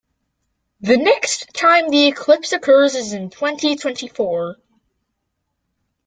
The next time the eclipse occurs is in twenty-twenty-four.